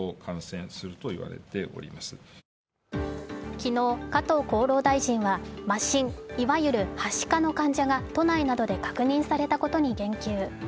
昨日、加藤厚労大臣は麻疹、いわゆるはしかの患者が都内などで確認されたことに言及。